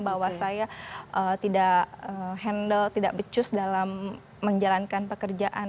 bahwa saya tidak handle tidak becus dalam menjalankan pekerjaan